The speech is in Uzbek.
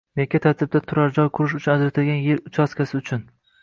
Yakka tartibda turar-joy qurish uchun ajratilgan yer uchastkasi uchun